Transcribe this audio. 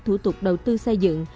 thủ tục đầu tư xây dựng